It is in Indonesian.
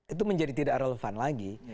itu menjadi tidak relevan lagi